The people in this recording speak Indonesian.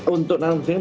untuk nanam kedelai